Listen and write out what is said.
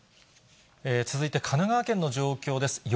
続いて神奈川県の状況です。